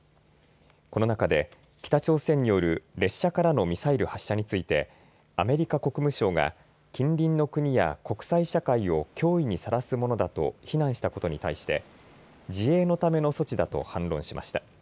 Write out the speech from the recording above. この中で北朝鮮による列車からのミサイル発射についてアメリカ国務省が近隣の国や国際社会を脅威にさらすものだと非難したことに対して自衛のための措置だと反論しました。